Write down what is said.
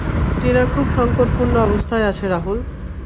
টিনা খুব সংকটপূর্ণ অবস্থায় আছে রাহুল।